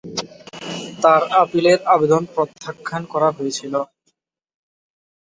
তার আপিলের আবেদন প্রত্যাখ্যান করা হয়েছিল।